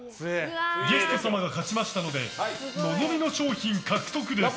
ゲスト様が勝ちましたので望みの賞品獲得です。